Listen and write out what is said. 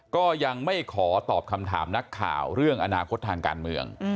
ก็ยังไม่ขอตอบคำถามนักข่าวเรื่องอนาคตทางการเมือง